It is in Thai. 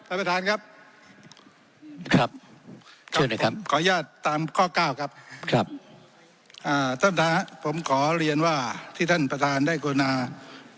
คำว่างบประมาณเพื่อเพิ่มศักยภาคอุตสามารถเนี่ยนะครับ